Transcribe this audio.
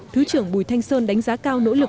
thứ trưởng bùi thanh sơn đánh giá cao nỗ lực